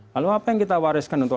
lalu apa yang kita wariskan untuk